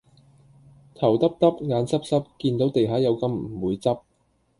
頭耷耷,眼濕濕,見到地下有金唔會執